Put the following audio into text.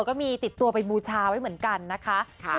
ก็มีติดตัวไปบูชาไว้เหมือนกันนะคะ